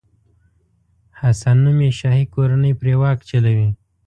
حسن نومي شاهي کورنۍ پرې واک چلوي.